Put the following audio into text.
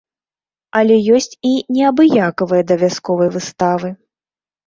Але ёсць і неабыякавыя да вясковай выставы.